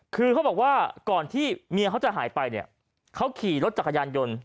คือเขาบอกว่าก่อนที่เมียเขาจะหายไปเนี่ยเขาขี่รถจักรยานยนต์